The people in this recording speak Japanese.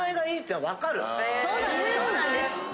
そうなんです！